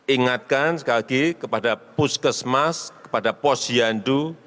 ingatkan sekali lagi kepada puskesmas kepada posyandu